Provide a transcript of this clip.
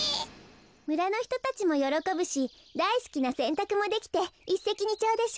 むらのひとたちもよろこぶしだいすきなせんたくもできていっせきにちょうでしょ？